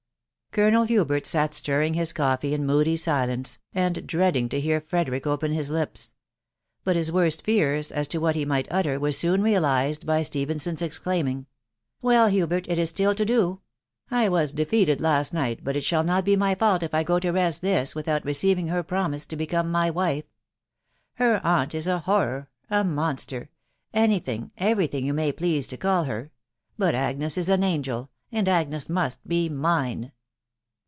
Colonel Hubert sat stirring his coffee in moody silence, and dreading to hear Frederick open his lips ; hat his worst fears as to what he might utter, were soon realised by Stephenson's exclaiming,— ." WeH, Hubert! .... it is still to do. I was defeated last night, but it shall not foe my fault if I go to rest this, without receiving her promise to become my wife Her sunt is a horror — a monster — any thing, every thing you may please to call her ; but Agnes is an angel, and Agnes must be mine